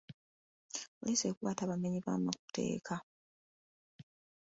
Poliisi ekwata abamenyi b'amateeka.